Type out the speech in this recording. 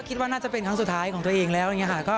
คิดว่าน่าจะเป็นครั้งสุดท้ายของตัวเองแล้ว